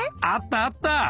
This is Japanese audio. あったあった。